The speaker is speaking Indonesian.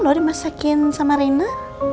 lo dimasakin sama rina